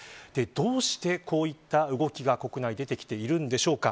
どうしてこういった動きが国内に出てきているんでしょうか。